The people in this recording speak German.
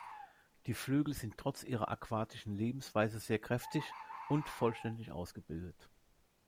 Die Flügel sind trotz ihrer aquatischen Lebensweise sehr kräftig und vollständig ausgebildet.